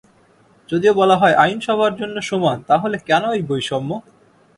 যদিও বলা হয় আইন সবার জন্য সমান, তাহলে কেন এই বৈষম্য?